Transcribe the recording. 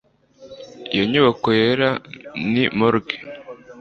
Iyo nyubako yera ni morgue